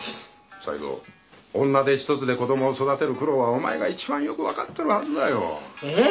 西郷女手１つで子どもを育てる苦労はお前が一番よく分かってるはずだよええ